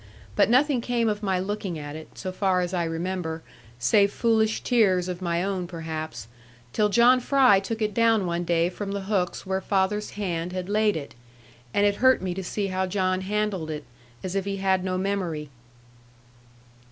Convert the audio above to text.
But nothing came of my looking at it, so far as I remember, save foolish tears of my own perhaps, till John Fry took it down one day from the hooks where father's hand had laid it; and it hurt me to see how John handled it, as if he had no memory.